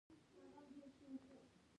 د بانکونو اتحادیه شته؟